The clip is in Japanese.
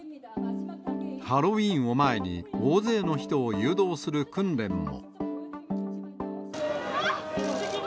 ハロウィーンを前に、大勢の人を誘導する訓練も。